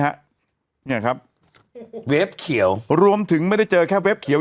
เนี่ยครับเว็บเขียวรวมถึงไม่ได้เจอแค่เว็บเขียว